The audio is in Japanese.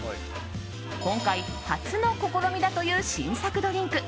今回、初の試みだという新作ドリンク。